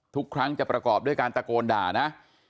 ทุกครั้งจะประกอบด้วยการตะโกนด่านะ